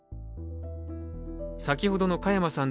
先ほどの加山さん